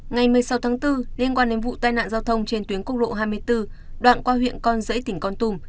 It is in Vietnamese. ngày một mươi sáu tháng bốn liên quan đến vụ tai nạn giao thông trên tuyến cốc lộ hai mươi bốn đoạn qua huyện con dẫy tỉnh con tùm